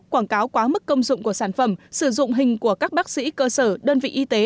quảng cáo quá mức công dụng của sản phẩm sử dụng hình của các bác sĩ cơ sở đơn vị y tế